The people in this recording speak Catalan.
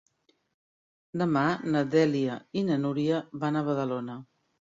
Demà na Dèlia i na Núria van a Badalona.